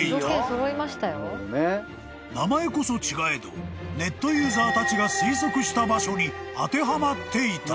［名前こそ違えどネットユーザーたちが推測した場所に当てはまっていた］